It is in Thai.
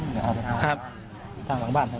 ตอนนั้นเขาก็เลยรีบวิ่งออกมาดูตอนนั้นเขาก็เลยรีบวิ่งออกมาดู